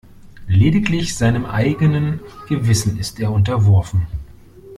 Lediglich seinem eigenen Gewissen ist er unterworfen.